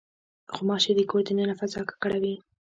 غوماشې د کور د دننه فضا ککړوي.